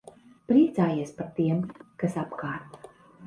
Priecājies par tiem, kas apkārt.